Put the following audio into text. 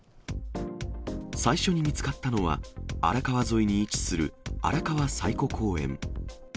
最初に見つかったのは、荒川沿いに位置する荒川彩湖公園。